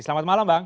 selamat malam bang